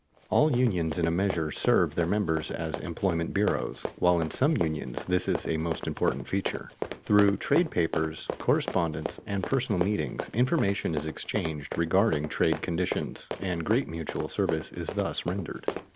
All unions in a measure serve their members as employment bureaus, while in some unions this is a most important feature. Through trade papers, correspondence, and personal meetings, information is exchanged regarding trade conditions, and great mutual service is thus rendered.